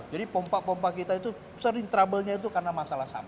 jadi pompa pompa kita itu sering trouble nya itu karena masalah sampah